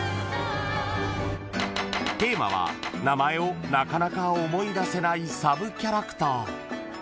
［テーマは名前をなかなか思い出せないサブキャラクター］